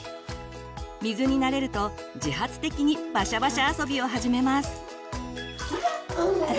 水に慣れると自発的にバシャバシャ遊びを始めます。